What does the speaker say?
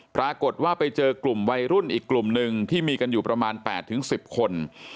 ปรากฏว่าไปเจอกลุ่มวัยรุ่นอีกกลุ่มหนึ่งที่มีกันอยู่ประมาณ๘๑๐คน